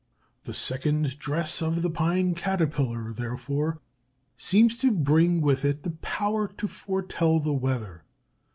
The second dress of the Pine Caterpillar, therefore, seems to bring with it the power to foretell the weather.